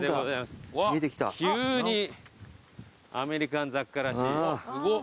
急にアメリカン雑貨らしい。